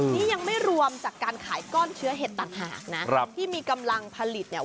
นี่ยังไม่รวมจากการขายก้อนเชื้อเห็ดต่างหากนะครับที่มีกำลังผลิตเนี่ย